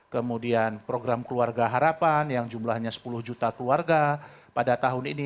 kemudian program keluarga harapan yang jumlahnya sepuluh juta keluarga pada tahun ini